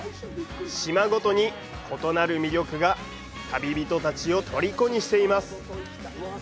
島ごとに異なる魅力が旅人たちをとりこにしています。